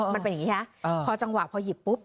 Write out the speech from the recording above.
มันเป็นอย่างนี้ฮะพอจังหวะพอหยิบปุ๊บ